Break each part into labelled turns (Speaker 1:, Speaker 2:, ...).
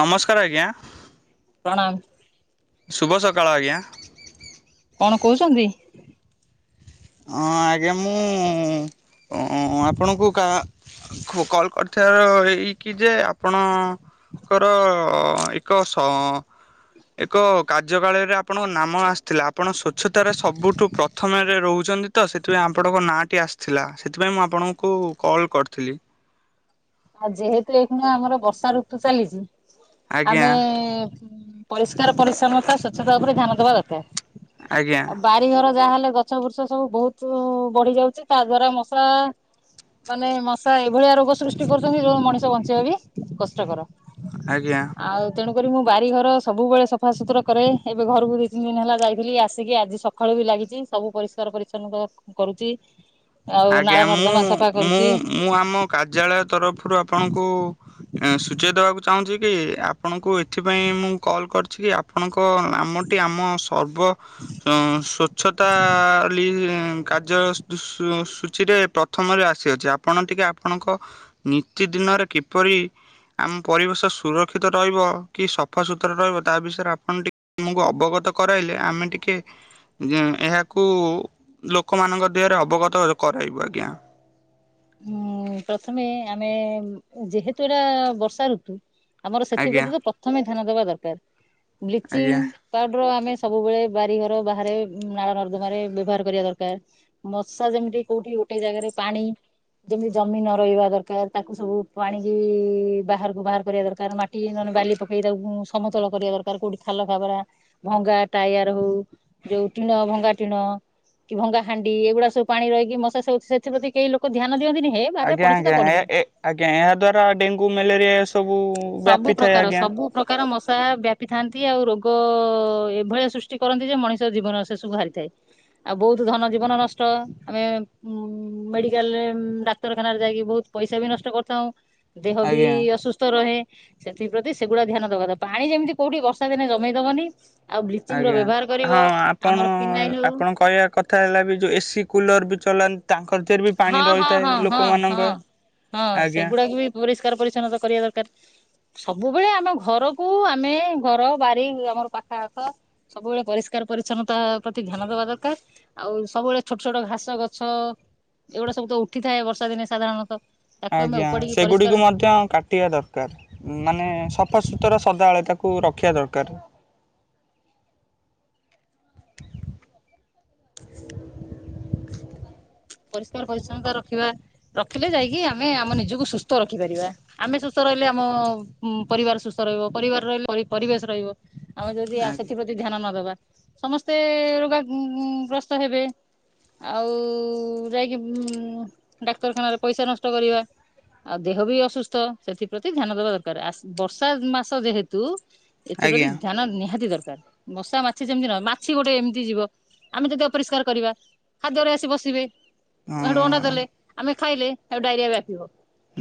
Speaker 1: ନମସ୍କାର ଆଜ୍ଞା।
Speaker 2: ପ୍ରଣାମ।
Speaker 1: ଶୁଭ ସକାଳ ଆଜ୍ଞା।
Speaker 2: କଣ କହୁଛନ୍ତି?
Speaker 1: ଅଁ, ଆଜ୍ଞା ମୁଁ ଅଁ, ଆପଣଙ୍କୁ କାହା ଖୁ-କଲ୍ କରିଥିବାର ଏଇକି ଯେ ଆପଣ ଙ୍କର ଏକ ସଁ ଏକ କାର୍ଯ୍ୟ କାଳରେ ଆପଣଙ୍କ ନାମ ଆସିଥିଲା, ଆପଣ ସ୍ଵଚ୍ଛତାରେ ସବୁଠୁ ପ୍ରଥମରେ ରହୁ ଛନ୍ତି ତ ସେଥିପାଇଁ ଆପଣଙ୍କ ନାଁ ଟି ଆସିଥିଲା। ସେଥିପାଇଁ ମୁଁ ଆପଣଙ୍କୁ କଲ୍ କରିଥିଲି।
Speaker 2: ଆଉ ଯେହେତୁ ଏଇଖିଣା ଆମର ବର୍ଷା ଋତୁ ଚାଲିଚି
Speaker 1: ଆଜ୍ଞା
Speaker 2: ଆମେ ପରିଷ୍କାର ପରିଚ୍ଛନ୍ନତା ସ୍ବଚ୍ଛତା ଉପରେ ଧ୍ୟାନ ଦବା ଦରକାର।
Speaker 1: ଆଜ୍ଞା।
Speaker 2: ଆଉ ବାରିଘର ଯାହେଲେ ଗଛ ବୃଷ ସବୁ ବହୁତୁ ବଢି ଯାଉଛି ତା ଦ୍ଵାରା ମଶା ମାନେ ମଶା ଏଇଭଳିଆ ରୋଗ ସୃଷ୍ ଟି କରୁଛନ୍ତି ଯୋଉ ମଣିଷ ବଞ୍ଚିବା ବି କଷ୍ଟକର।
Speaker 1: ଆଜ୍ଞା
Speaker 2: ଆଉ ତେଣୁକରି ମୁଁ ବାରିଘର ସବୁବେଳେ ସଫାସୁତୁରା କରେ ଏବେ ଘରକୁ ଦୁଇ ତିନି ଦିନ ହେଲା ଯାଇଥିଲି ଆସିକି ଆଜି ସ ଖାଳୁ ବି ଲାଗିଚି ସବୁ ପରିଷ୍କାର ପରିଚ୍ଛନ୍ନ କସ କରୁଚି।
Speaker 1: ଆଜ୍ଞା ମୁଁ ମୁଁ ମୁଁ ଆମ କାର୍ଯ୍ୟାଳୟ ତରଫରୁ ଆପଣଙ୍କୁ ଏଁ, ସୂଚେଇ ଦେବାକୁ ଚାହୁଁଛି କି ଆପଣଙ୍କୁ ଏଥିପାଇଁ ମୁଁ କଲ୍ କରିଛି କି ଆ ଆପଣଙ୍କ ନାମଟି ଆମ ସର୍ବ ଅଁ, ସ୍ୱଚ୍ଛତା ଲି କାର୍ଯ୍ୟ ସୁ- ସୁ ସୂଚୀରେ ପ୍ରଥମରୁ ଆସିଅଛି, ଆପଣ ଟିକେ ଆପଣଙ୍କ ନିୀତିଦିନରେ କିପରି ଆମ ପରିବେଶ ସୁରକ୍ଷିତ ରହିବ କି ସଫା ସୁତୁର ରହିବ ତା ବିଷୟରେ ଆପଣ ଟିକ ଆମକୁ ଅବଗତ କରାଇଲେ ଆମେ ଟିକେ ଯେ ଏହାକୁ ଲୋକମାନଙ୍କ ଦେହରେ ଅବଗତ କରାଇବୁ ଆଜ୍ଞା।
Speaker 2: ଉଁ, ପ୍ରଥମେ ଆମେ ଯେହେତୁ ଏଟା ବର୍ଷା ଋତୁ ଆମର
Speaker 1: ଆଜ୍ଞା
Speaker 2: ସେଥିପ୍ରତି ତ ପ୍ରଥମେ ଧ୍ୟାନ ଦବା ଦରକାର। ବ୍ଲିଚିଂ
Speaker 1: ଆଜ୍ଞା।
Speaker 2: ପାଉଡର ଆମେ ସବୁବେଳେ ବାରିଘର ବାହାରେ ନାଳ ନର୍ଦ୍ଦମାରେ ବ୍ୟବହାର କରିବା ଦରକାର। ମଶା ଯେମିତି କୋଉଠି ଗୋଟେ ଜାଗାରେ, ପାଣି ଯେମିତି ଜମି ନ ରହିବା ଦରକାର। ତାକୁ ସବୁ ପାଣିକି ବାହାରକୁ ବାହାର କରିବା ଦରକାର। ମା ଟି ନହେଲେ ବାଲି ପକେଇ ତାକୁ ସମତଳ କରିବା ଦରକାର। କୋଉଠି ଖାଲ ଖାବରା ଭଙ୍ଗା ଟାୟାର୍ ହଉ ଯୋଉ ଟିଣ ଭଙ୍ଗା ଟିଣ କି ଭଙ୍ଗା ହାଣ୍ଡି ଏଗୁଡା ସବୁ ପାଣି ରହିକି ମଶା ସବୁ ସେଥିପ୍ରତି କେହି ଲୋ କ ଧ୍ୟାନ ଦଅନ୍ତିିନି।
Speaker 1: ଆଜ୍ଞା, ଆଜ୍ଞା, ଆଜ୍ଞା, ଏ ଆଜ୍ଞା ଏହା ଦ୍ଵାରା ଡେଙ୍ଗୁ ମେଲେରିଆ ଏ ସବୁ
Speaker 2: ସବୁ
Speaker 1: ବ୍ୟାପିଥାଏ
Speaker 2: ପ୍ରକାର
Speaker 1: ଆଜ୍ଞା।
Speaker 2: ସବୁ ପ୍ରକାର ମଶା ବ୍ୟାପିଥାନ୍ତି ଆଉ ରୋଗ ଏଭଳିଆ ସୃଷ୍ଟି କରନ୍ତି ଯେ ମଣିଷ ଜୀବନ ଶେଷୁକୁ ହାରିଥାଏ। ଆଉ ବୋହୁତୁ ଧନ ଜୀବନ ନଷ୍ଟ ଆମେ ଉଁ ମେଡିକାଲରେ ଉଁ ଡାକ୍ତରଖାନାରେ ଯାଇକି ବୋହୁତ ପଇସା ବି ନଷ୍ଟ କରିଥାଉଁ ଦେହ ବି
Speaker 1: ଆଜ୍ଞା
Speaker 2: ଅସୁସ୍ ତ ରହେ ସେଥିପ୍ରତି ସେଗୁଡା ଧ୍ୟାନ ଦବା [unintelligible] ପାଣି ଯେମତି କୋଉଠି ବର୍ଷା ଦିନେ ଜମେଇ ଦବନି। ଆଉ ବ୍ଲିଚିଂ ର
Speaker 1: ଆଜ୍ଞା
Speaker 2: ବ୍ୟବହାର କରିବ
Speaker 1: ହଁ ଆପଣ
Speaker 2: ଆମର ଫିନାଇଲ
Speaker 1: ଆପଣ କହିବା କ ଥା ହେଲା ବି ଯୋଉ ଏସିି କୁଲର୍ ବି ଚଲାନ୍ ତାଙ୍କର ଧିଏରେ ବି ପାଣି
Speaker 2: ହଉ। ହଁ ହଁ
Speaker 1: ରହିଥାଏ
Speaker 2: ହଁ ହଁ
Speaker 1: ଲୋକମାନଙ୍କ
Speaker 2: ହଁ। ହଁ
Speaker 1: ଆଜ୍ଞା।
Speaker 2: ସେଗୁଡାକ ବି ପରିଷ୍କାର ପରିଚ୍ଛନ୍ନତା କରିବା ଦରକାର। ସବୁବେଳେ ଆମ ଘରକୁ ଆମେ ଘର ବାରି ଆମର ପାଖା ଆଖ ସବୁବେଳେ ପରିଷ୍କାର ପରିଚ୍ଛନ୍ନତା ପ୍ରତି ଧ୍ୟାନ ଦବା ଦରକାର। ଆଉ ସବୁବେଳେ ଛୋଟ ଛୋଟ ଘାସ ଗଛ ଏଗୁଡା ସବୁ ତ ଉଠିଥାଏ ବର୍ଷା ଦିନେ ସାଧାରଣତଃ। ତାକୁ ଆମେ
Speaker 1: ଆଜ୍ଞା
Speaker 2: ଉପାଡିକି
Speaker 1: ସେଗୁଡିକୁ
Speaker 2: ପରିଷ୍କାର
Speaker 1: ମଧ୍ୟ କା ଟିଆ ଦରକାର ଉଁ ମାନେ ସଫାସୁତୁରା ସଦାବେଳେ ତାକୁ ରଖିଆ ଦରକାର।
Speaker 2: ପରିଷ୍କାର ପରିଚ୍ଛନ୍ନତା ରଖିବା ରଖିଲେ ଯାଇକି ଆମେ ଆମ ନିଜୁକୁ ସୁସ୍ତ ରଖିପାରିବା। ଆମେ ସୁସ୍ତ ରହିଲେ ଆମ ଉଁ ପରିବାର ସୁସ୍ତ ରହିବ ପରିବାର ରହିଲେ ପରି ପରିବେଶ ରହିବ। ଆମେ ଯଦି ଆ ସେଥିପତି ଧ୍ୟାନ ନ ଦବା ସମସ୍ତେ ରୋଗା ଗୁଁ ଗୁଁ ଗ୍ରସ୍ତ ହେବେ। ଆଉ ଯାଇକି ଉଁ ଡାକ୍ତରଖାନାରେ ପଇସା ନଷ୍ଟ କରିବା। ଆଉ ଦେହ ବି ଅସୁସ୍ତ ସେଥିପ୍ରତି ଧ୍ୟାନ ଦବା ଦରକାର ଆସ୍ ବର୍ଷା ଉଁ ମାସ ଯେହେତୁ ଏଥିପ୍ରତି
Speaker 1: ଆଜ୍ଞା
Speaker 2: ଧ୍ୟାନ ନିହାତି ଦରକାର। ମଶା ମାଛି ଯେମତି ର ମାଛି ଗୋଟେ ଏମତି ଜୀବ ଆମେ ଯଦି ଅପରିଷ୍କାର କରିବା ଖାଦ୍ୟରେ ଆସି ବସିବେ। ହେଠୁ ଅଣ୍ଡା
Speaker 1: ହଁ।
Speaker 2: ଦେଲେ ଆମେ ଖାଇଲେ ଡାଇରିଆ ହେଠୁ ବ୍ୟାପିବ।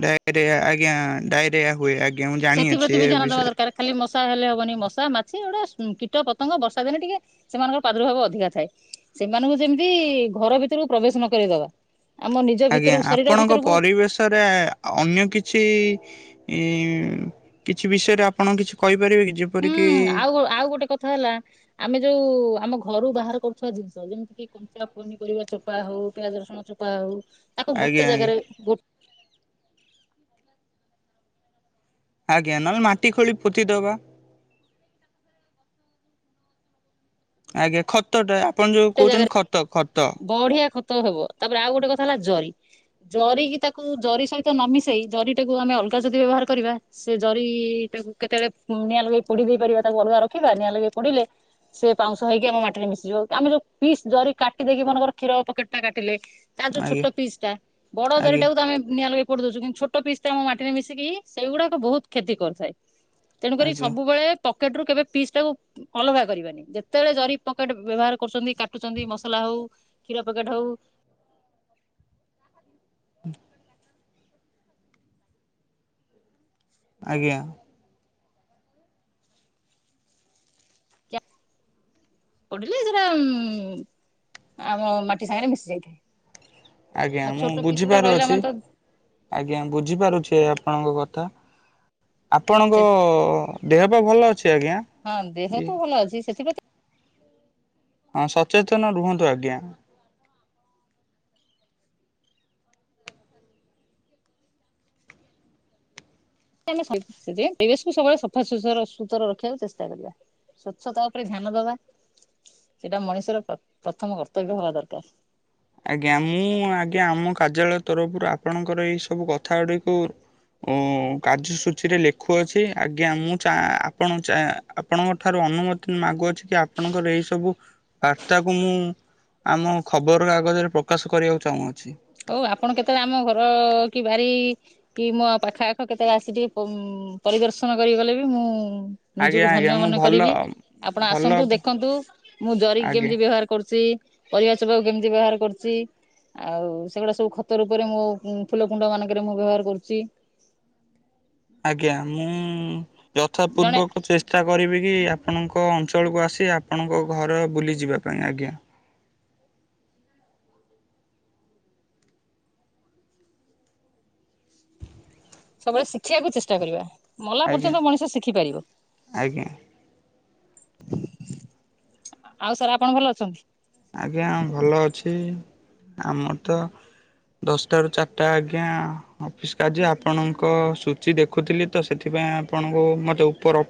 Speaker 1: ଡାଇରିଆ ଆଜ୍ଞା ଡାଇରିଆ ହୁଏ ଆଜ୍ଞା ମୁଁ
Speaker 2: ସେଥିପ୍ରତି
Speaker 1: ଜାଣିଅଛି
Speaker 2: ବି
Speaker 1: ଏ
Speaker 2: ଧ୍ୟାନ ଦେବା
Speaker 1: ବିଷେୟେରେ।
Speaker 2: ଦରକାର ଖାଲି ମଶା ହେଲେ ହବନି ମଶା ମାଛି ଗୋଟେ ସୁଁ କୀଟ ପତଙ୍ଗ ବର୍ଷା ଦିନେ ଟିକେ ସେମାନଙ୍କର ପାଦୁର୍ଭାବ ଅଧିକା ଥାଏ ସେମାନଙ୍କୁ ଯେମତି ଘର ଭିତୁରୁକୁ ପ୍ରବେଶ ନ କରେଇ ଦବା।
Speaker 1: ଆଜ୍ଞା ଆପଣଙ୍କ ପରିବେଶରେ ଅନ୍ୟ କିଛି ଇଁ କିଛି ବିଷୟରେ ଆପଣ କିଛି କହିପାରିବେ କି ଯି
Speaker 2: ହୁଁ ଆଉ ଗୋ ଆଉ ଗୋଟେ କଥା ହେଲା ଆମେ ଯୋଉ ଆମ ଘରୁ ବାହାର କରୁଥୁବା ଜିନିଷ ଯେମିତିକି କନ୍ ଚା ପନିପରିବା ଚୋପା ହଉ ପିଆଜ ରସୁଣ ଚୋପା ହଉ ତାକୁ
Speaker 1: ଆଜ୍ଞା
Speaker 2: ଗୋଟେ
Speaker 1: ଆଜ୍ଞା
Speaker 2: ଜାଗାରେ ଉଁ ପୋ
Speaker 1: ଆଜ୍ଞା ନହେଲେ ମାଟି ଖୋଳି ପୋତିଦବା। ଆଜ୍ଞା ଖତଟା ଆପଣ ଯୋଉ
Speaker 2: ଜାଗାରେ
Speaker 1: କହୁଚନ୍ ଖତ ଖତ।
Speaker 2: ବଢିଆ ଖତ ହବ ତାପରେ ଆଉ ଗୋଟେ କଥା ହେଲା ଜରି। ଜରିକିି ତାକୁ ଜରି ସହିତ ନ ମିିଶେଇ ଜରିଟାକୁ ଆମେ ଅଲଗା ଯଦି ବ୍ୟବହାର କରିବା ସେ ଜରିଟାକୁ କେତେବେଳେ ଉଁ ନିଆଁ ଲଗେଇ ପୋଡି ଦେଇ ପାରିବା ତାକୁ ଅଲଗା ରଖିବା ନିଆଁ ଲଗେଇି ପୋଡିଲେ ସେ ପାଉଁଶ ହେଇକି ଆମ ମାଟିରେ ମିଶିଯିବ ଆମେ ଯୋଉ ପିସ୍ ଜରି କାଟିଦେଇକି ମନେକର କ୍ଷୀର ପକେଟଟା କାଟିଲେ। ତାର ଯୋଉ
Speaker 1: ଆଜ୍ଞା
Speaker 2: ଛଟ ପିସଟା ବଡ
Speaker 1: ଆଜ୍ଞା।
Speaker 2: ଜରିଟାକୁ ତମେ ନିଆଁ ଲଗେଇ ପୋଡି ଦଉଛୁ କିନ୍ତୁ ଛୋ ଛୋଟ ପିସଟା ଆମ ମାଟିରେ ମିଶିକି ସେଇଗୁଡାକ ବୋହୁତ କ୍ଷତି କରିଥାଏ ତେଣୁକରି
Speaker 1: ଆଜ୍ଞା
Speaker 2: ସବୁବେଳେ ପକେଟରୁ କେବେ ପିସଟାକୁ କୁଁ ଅଲଗା କରିବାନି ଯେତେବେଳେ ଜରି ପକେଟ୍ ବ୍ୟବହାର କରୁଚନ୍ତି କାଟୁଚନ୍ତି ମସ୍ ତଲା ହଉ କ୍ଷୀର ପକେଟ୍ ହଉ
Speaker 1: [inaudible] ଆଜ୍ଞା। ହ [unintelligible]
Speaker 2: ପଡିଲେ ସେଟା ଉଁ ଆମ ମାଟି ସାଙ୍ଗେରେ ମିଶି ଯାଇଥାଏ।
Speaker 1: ଆଜ୍ଞା
Speaker 2: ଆଉ
Speaker 1: ମୁଁ
Speaker 2: ଛୋଟ ପିସ୍ ଗୁଡା
Speaker 1: ବୁଝିପାରୁ
Speaker 2: ରହିଲା
Speaker 1: ଅଛି।
Speaker 2: ମାନେ ତ
Speaker 1: ଆଜ୍ଞା ବୁଝିପାରୁଛେ ଆପଣଙ୍କ କଥା। ଆପଣଙ୍କ ଦେହ ପା ଭଲ ଅଛି ଆଜ୍ଞା?
Speaker 2: ହଁ ଦେହ ତ ଭଲ ଅଛି। ସେଥିପାଇଁ ତ
Speaker 1: ହଁ ସଚେତନ ରୁହନ୍ତୁ ଆଜ୍ଞା।
Speaker 2: [inaudible] ପରିବେଶକୁ ସବୁଳେ ସଫା ସୁସର ସୁତର ରଖିବାକୁ ଚେଷ୍ଟା କରିବା। ସ୍ବଚ୍ଛତା ଉପରେ ଧ୍ୟାନ ଦବା ସେଇଟା ମଣିଷର ପ୍ର ପ୍ରଥମ କର୍ତ୍ତବ୍ୟ ହବା ଦରକାର।
Speaker 1: ଆଜ୍ଞା ମୁଁ ଆଜ୍ଞା ଆମ କାର୍ଯ୍ୟାଳୟ ତରଫରୁ ଆପଣଙ୍କର ଏଇ ସବୁ କଥା ଗୁଡିକୁ ଓ କାର୍ଯ୍ୟସୂଚୀରେ ଲେଖୁଅଛି ଆଜ୍ଞା ମୁଁ ଚା ଆପଣ ଚା ଆପଣଙ୍କ ଠାରୁ ଅନୁମତି ମାଗୁଅଛି କି ଆପଣଙ୍କର ଏଇ ସବୁ ବାର୍ତ୍ତାକୁ ମୁଁ ଆମ ଖବର କାଗଜରେ ପ୍ରକାଶ କରିବାକୁ ଚାହୁଁଅଛି।
Speaker 2: ହଉ ଆପଣ କେତେବେଳେ ଆମ ଘର କି ବାରି କି ମୋ ପାଖ ଆଖ କେତେବେଳେ ଆସିିକି ପଂ ପରିଦର୍ଶନ କରିଗଲେ ବି ମୁଁ
Speaker 1: ଆଜ୍ଞା
Speaker 2: ନିଜକୁ
Speaker 1: ଆଜ୍ଞା
Speaker 2: ଧନ୍ୟ
Speaker 1: ମୁଁ
Speaker 2: ମନେ
Speaker 1: ଭଲ
Speaker 2: କରିବି। ଆପଣ
Speaker 1: ଭଲ
Speaker 2: ଆସନ୍ତୁ ଦେଖନ୍ତୁ ମୁଁ ଜରିକି
Speaker 1: ଆଜ୍ଞା
Speaker 2: କେମିତି ବ୍ୟବହାର କରୁଛି। ପରିବା ଚୋପାକୁ କେମିତି ବ୍ୟବହାର କରୁଛି। ଆଉ ସେଗୁଡ଼ା ସବୁ ଖତ ରୂପରେ ମୋ ଫୁଲ କୁଣ୍ଡ ମାନଙ୍କରେ ମୁଁ ବ୍ୟବହାର କରୁଛି।
Speaker 1: ଆଜ୍ଞା ମୁଁ
Speaker 2: ଜଣେ
Speaker 1: ଯଥାପୂର୍ବକ ଚେଷ୍ଟା ଷ୍ଟା କରିବି କି ଆପଣଙ୍କ ଅଞ୍ଚଳକୁ ଆସି ଆପଣଙ୍କ ଘର ବୁଲିଯିବା ପାଇଁ ଆଜ୍ଞା।
Speaker 2: ସବୁବେଳେ ଶିଖିବାକୁ ଚେଷ୍ଟା କରିବା। ମଲା
Speaker 1: ଆଜ୍ଞା
Speaker 2: ପର୍ଯ୍ୟନ୍ତ ମଣିଷ ଶିଖି ପାରିବ।
Speaker 1: ଆଜ୍ଞା।
Speaker 2: ଆଉ ସାର୍ ଆପଣ ଭଲ ଅଛନ୍ତି?
Speaker 1: ଆଜ୍ଞା ଭଲ ଅଛି। ଆମର ତ ଦଶଟାରୁ ଚାରିଟା ଆଜ୍ଞା। ଅଫିସ୍ କାଯ୍ୟ ଆପଣଙ୍କ ସୂଚି ଦେଖୁଥିଲି ତ ସେଥିପାଇଁ ଆପଣଙ୍କୁ ମୋତେ ଉପର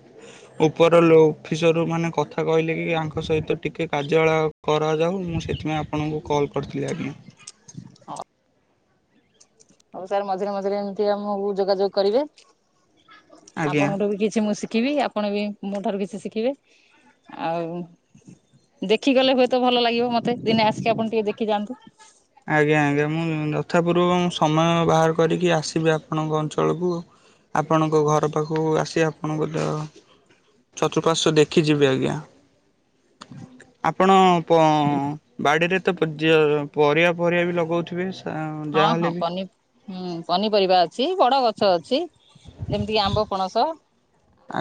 Speaker 1: ଉପର ଲୋ ଅଫିସର ମାନେ କଥା କହିଲେ କି ତାଙ୍କ ସହିତ ଟିକେ କାର୍ଯ୍ୟାଳୟ କରାଯାଉ ମୁଁ ସେଥିପାଇଁ ଆପଣଙ୍କୁ କଲ୍ କରିଥିଲି ଆଜ୍ଞା।
Speaker 2: ହଉ ସାର୍ ମଝିରେ ମଝିରେ ଏମିତି ଆମ ଯୋଗାଯୋଗ କରିବେ
Speaker 1: ଆଜ୍ଞା।
Speaker 2: ଆପଣଙ୍କଠୁ ବି କିଛି ମୁଁ ଶ ଶିଖିବି ଆପଣ ବି ମୋ ଠାରୁ କିଛି ଶିଖିବେ। ଆଉ ଦେଖି ଗଲେ ହୁଏତ ଭଲ ଲାଗିବ ମତେ ଦିନେ ଆସିକି ଆପଣ ଟିକେ ଦେଖି ଯାଆନ୍ତୁ।
Speaker 1: ଆଜ୍ଞା ଆଜ୍ଞା ମୁଁ ଯଥାପୂର୍ବ ସମୟ ବାହାର କରିକି ଆସିବି ଆପଣଙ୍କ ଅଞ୍ଚଳକୁ ଆଉ। ଆପଣଙ୍କ ଘର ପାଖକୁ ଆସି ଆପଣଙ୍କୁ ଦେ ଚତୁଃପାର୍ଶ୍ଵ ଦେଖି ଯିବେ ଆଜ୍ଞା। ଆପଣ କ ବାଡିରେ ତ ଜ ପରିବା ଫରିବା ବି ଲଗଉଥିବେ।
Speaker 2: ହଁ ହଁ
Speaker 1: ଯାହାହେଲେ ବି
Speaker 2: ପନି ହଁ ପନିପରିବା ଅଛି ବଡ ଗଛ ଅଛି। ଯେମିତିକି ଆମ୍ବ ପଣସ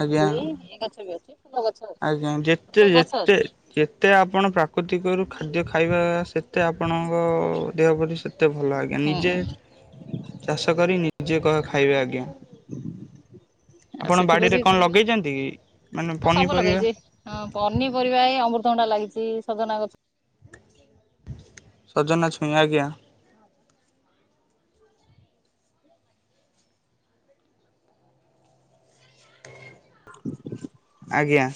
Speaker 1: ଆଜ୍ଞା
Speaker 2: ଏ ଗଛ ବି ଅଛି ଫୁଲ ଗଛ ଅଛି।
Speaker 1: ଆଜ୍ଞା ଯେତେ
Speaker 2: ପ୍ରତ୍ୟେକ ଗଛ
Speaker 1: ଯେତେ
Speaker 2: ଅଛି
Speaker 1: ଯେତେ ଆପଣ ପ୍ରାକୃତିକରୁ ଖାଦ୍ୟ ଖାଇବା ସେତେ ଆପଣଙ୍କ ଦେହ ପ୍ରତି ସେ ତେ ଭଲ ଆଜ୍ଞା।
Speaker 2: ହୁଁ
Speaker 1: ନିଜେ ଚାଷ କରି ନିଜେ କ ଖାଇବେ ଆଜ୍ଞା।
Speaker 2: ଆଉ
Speaker 1: ଆପଣ ବାଡିରେ
Speaker 2: ସେଥିପ୍ରତି
Speaker 1: କଣ
Speaker 2: ହଁ
Speaker 1: ଲଗେଇଛନ୍ତି ମାନେ ପନୀ
Speaker 2: ସବୁ ଲଗେଇଛି ହଁ ପନିପରିବା ଏ ଅମୃତଭଣ୍ଡା ଲାଗିଛି। ସଜନା ଗଛ
Speaker 1: ସଜନା ଛୁଇଁ ଆଜ୍ଞା। ଆଜ୍ଞା।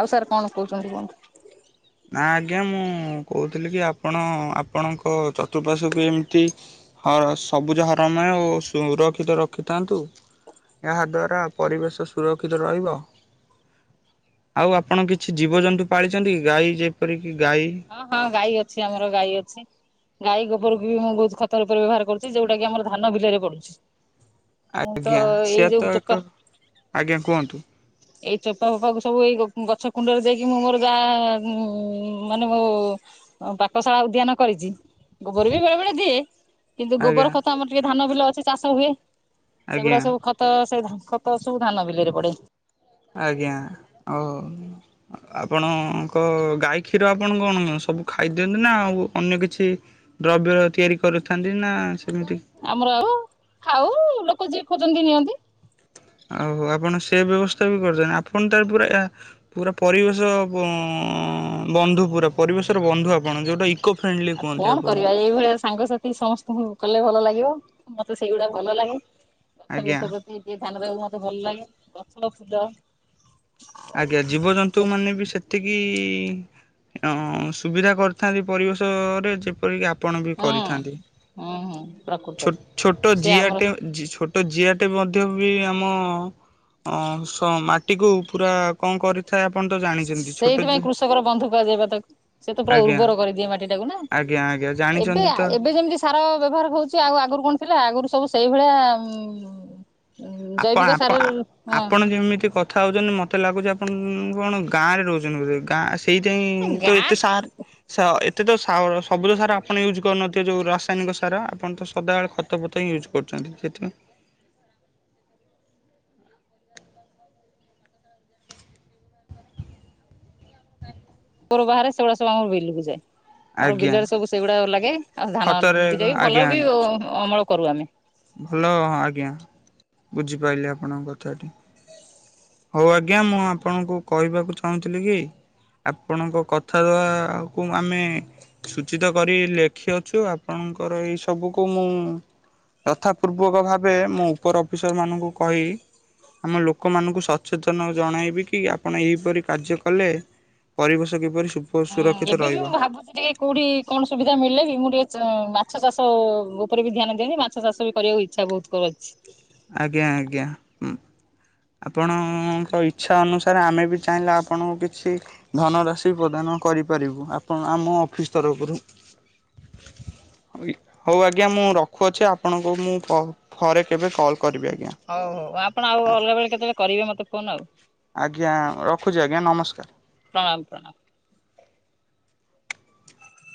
Speaker 2: ଆଉ ସାର୍ କଣ କହୁଛନ୍ତି କୁହନ୍ତୁ?
Speaker 1: ନା ଆଜ୍ଞା ମୁଁ କହୁଥିଲି କି ଆପଣ ଆପଣଙ୍କ ଚତୁଃପାଶ୍ଵକୁ ଏମିତି ହଁ ସବୁଜ ହରାମୟ ଓ ସୁରକ୍ଷିତ ରଖିଥାନ୍ତୁ। ଏହାଦ୍ୱାରା ପରିବେଶ ସୁରକ୍ଷିତ ରହିବ। ଆଉ ଆପଣ କିଛି ଜୀବଜନ୍ତୁ ପାଳିଛନ୍ତି କି ଗାଈ ଯେପରିକି ଗାଈ
Speaker 2: ହଁ ହଁ ଗାଈ ଅଛି ଆମର ଗାଈ ଅଛି। ଗଈ ଗୋବରକୁ ବି ମୁଁ ବହୁତ ଖତ ରୂପରେ ବ୍ୟବହାର କରୁଛି ଯଉଟା କି ଆମର ଧାନ ବିଲରେ ପଡୁଛି। ମୁଁ ତ
Speaker 1: ଆଜ୍ଞା
Speaker 2: ଏଇ
Speaker 1: ସିଏ
Speaker 2: ଯୋଉ
Speaker 1: ତ
Speaker 2: ଚୋପା
Speaker 1: ଏକ ଆଜ୍ଞା କୁହନ୍ତୁ?
Speaker 2: ଏଇ ଚୋପା ଫୋପା କୁ ସବୁ ଏଇ ଗଛ କୁଣ୍ଡରେ ଦେଇକି ମୁଁ ମୋର ଜା ମାନ ମୋ ପାକଶାଳା ଉଦ୍ୟାନ କରିଛି। ଗୋବର ବି ବେଳେ ବେଳେ ଦିଏ କିନ୍ତୁ
Speaker 1: ଆଜ୍ଞା
Speaker 2: ଗୋବର ଖତ ଆମର ଟିକେ ଧାନ ବିଲ ଅଛି ଚାଷ ହୁଏ।
Speaker 1: ଆଜ୍ଞା।
Speaker 2: ସେଗୁଡା ସବୁ ଖତ ସେ ଖତ ସବୁ ଧାନ ବିଲିରେ ପଡେ।
Speaker 1: ଆଜ୍ଞା ହଉ ଆପଣଙ୍କ ଗାଈ କ୍ଷୀର ଆପଣ କଣ ସବୁ ଖାଇଦିଅନ୍ତି ନା ଆଉ ଅନ୍ୟ କିଛି ଦ୍ରବ୍ୟ ତିଆରି କରିଥାନ୍ତି ନା ସେମିତି
Speaker 2: ଆମର ଆଉ ଖାଉ ଲୋକ ଯିଏ ଖୋଜନ୍ତି ନିଅନ୍ତି।
Speaker 1: ଓହ ଆପଣ ସେ ବ୍ୟବସ୍ଥା ବି କରୁଚନ୍ତି ଆପଣତଏ ପୁରା ପୁରା ପରିବେଶ ବ ଅ ବନ୍ଧୁ ପୁରା ପରିବେଶର ବନ୍ଧୁ ଆ କଣ ଯୋଉଟା ଇକୋ ଫ୍ରେଣ୍ଡଲି
Speaker 2: ଆଉ
Speaker 1: କୁହନ୍ତି
Speaker 2: କଣ
Speaker 1: ଆପଣ।
Speaker 2: କରିବା ଏଇଭଳିଆ ସାଙ୍ଗସାଥି ସେ ସମସ୍ତଙ୍କୁ କଲେ ଭଲ ଲାଗିବ ମତେ ସେଇଗୁଡ଼ା ଭଲ ଲାଗେ ଗଛ
Speaker 1: ଆଜ୍ଞା
Speaker 2: ବୃଷ ପ୍ରତି ଏ ଧ୍ୟାନ ଦେବାକୁ ମତେ ଭଲ ଲାଗେ ଗଛ ଫୁଲ
Speaker 1: ଆଜ୍ଞା ଜୀବଜନ୍ତୁ
Speaker 2: ସେ
Speaker 1: ମାନେ ବି ସେ ଜେତିକି ହଁ ସୁବିଧା କରିଥାନ୍ତି ପରିବେଶରେ ଯେପରିକି ଆପ ଆପଣ ବି
Speaker 2: ହୁଁ
Speaker 1: କରିଥାନ୍ତି
Speaker 2: ହୁଁ ହୁଁ
Speaker 1: ଛୋ
Speaker 2: ପ୍ରକୃତରେ
Speaker 1: ଛୋଟ
Speaker 2: ସିଏ
Speaker 1: ଜିଆ
Speaker 2: ଆମର
Speaker 1: ଟେ ଜି ଛୋଟ୍ ଟ ଜିଆଟେ ମଧ୍ୟବି ଆମ ଅଁ ମାଟିକୁୁ ପୁରା କଣ କରି ଥାଏ ଆପଣ ତ ଜାଣି
Speaker 2: ସେଇଥିପାଇଁ କୃଷକର ବନ୍ଧୁ କୁହାଯାଏ ପା ତାକୁ ସେ ତ ପୁରା
Speaker 1: ଆଜ୍ଞା
Speaker 2: ଉର୍ବର କରିଦିଏ ମାଟି ଟାକୁ ନା।
Speaker 1: ଆଜ୍ଞା ଆଜ୍ଞା
Speaker 2: ଏବେ
Speaker 1: ଜାଣିଚନ୍ତି
Speaker 2: ଆ
Speaker 1: ତ
Speaker 2: ଏବେ ଯେମିତି ସାର ବ୍ୟବହାର ହଉଛି ଆଉ ଆଗରୁ କଣ ଥିଲା ଆଗରୁ ସବୁ ସେଇଭଳିଆ ଜୈବିକ ସାରରୁ ହଁ
Speaker 1: ଏମିତି କର କଥା ହଉଛନ୍ତି ମତେ ଲାଗୁଛି ଆପଣ କଣ ଗାଁରେ ରହୁଛନ୍ତି ବୋଧେ ଗାଁ
Speaker 2: ହଁ
Speaker 1: ହେଇଥିପାଇଁ ତ ଏତେ
Speaker 2: ଗାଁ
Speaker 1: ସାର୍ ଏତେ ତ ସାର ସବୁଜ ସାର ଆପଣ ୟୁଜ୍ କରିନଥିବେ ଯୋଉ ରାସାୟନିକ ସାର ଆପଣ ତ ସଦାବେଳେ ଖ ଖତ ଫତ ୟୁଜ୍‌ କରୁଛନ୍ତି ସେଥିପାଇଁ
Speaker 2: ଉପର ବାହାରେ ସେଗୁଡା ସବୁଆମର ବିଲକୁ ଜାଏ। ଆମର
Speaker 1: ଆଜ୍ଞା
Speaker 2: ବିଲରେ ସବୁ ସେଇଗୁଡ଼ାକ ଲାଗେ ଆଉ ଧାନ
Speaker 1: ଖତରେ
Speaker 2: ଦିଟା ବି ଭଲ
Speaker 1: ଆଜ୍ଞା
Speaker 2: ବି ଅମଳ କରୁ ଆମେ।
Speaker 1: ଭଲ ହଁ ଆଜ୍ଞା ବୁଝିପାରିଲି ଆପଣଙ୍କ କଥାଟି। ହଉ ଆଜ୍ଞା ମୁଁ ଆପଣଙ୍କୁ କହିବାକୁ ଚାହୁଁଥିଲି କି। ଆପଣଙ୍କ କଥା ଦବା କୁ ଆମେ ସୂଚିତ କରି ଲେଖିଅଛୁ ଆପଣଙ୍କର ଏଇ ସବୁକୁ ମୁଁ ଯଥା ପୂର୍ବକ ଭାବେ ମୁଁ ଉପର ଅଫିସର୍ ମାନଙ୍କୁ କହି ଆମ ଲୋକମାନଙ୍କୁ ସତ୍ ସଚେତନ ଜଣାଇବି କି ଆପଣ ଏହିପରି କାର୍ଯ୍ୟ କଲେ ପରିବେଶ କିପରି ସୁ ଓ ସୁରକ୍ଷିତ ରହିବ।
Speaker 2: ବୁଝିଲି। କଉଠି କଣ ସୁବିଧା ମିଳିଲାକି ମୁଁ ଟିକେ ମାଛ ଚାଷ ଉପରେ ବି ଧ୍ୟାନ ଦିଅନ୍ତି ମାଛ ଚାଷ ବି କରିବାକୁ ଇ ଇ୍ଛା ବହୁତ କର ଅଛି।
Speaker 1: ଆଜ୍ଞା, ଆଜ୍ଞା ହୁଁ। ଆପଣଙ୍କ ଇଚ୍ଛା ଅନୁସାରେ ଆମେ ବି ଚାହିଁଲେ ଆପଣଙ୍କୁ କିଛି ଧନରାଶି ପ୍ରଦାନ କରିପାରିବୁ ଆପଣ ଆମ ଅଫିସ୍ ତରଫରୁ ହଉ ଆଜ୍ଞା ମୁଁ ରଖୁଅଛି ଆପଣଙ୍କୁ ମୁଁ ପ ଫରେ କେବେ କଲ୍ କରିବି ଆଜ୍ଞା।
Speaker 2: ହଉ ହଉ ଆପଣ ଆଉ ଅଲଗା ବେଳେ କେତେବେଳେ କରିବେ ମୋତେ ଫୋନ୍ ଆଉ‌।
Speaker 1: ଆଜ୍ଞା ରଖୁଛି ଆଜ୍ଞା ନମସ୍କାର୍।
Speaker 2: ପ୍ରଣାମ‌ ପ୍ରଣାମ।